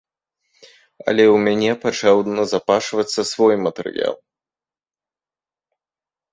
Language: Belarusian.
Але ў мяне пачаў назапашвацца свой матэрыял.